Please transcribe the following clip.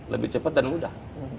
lebih cepat dan mudah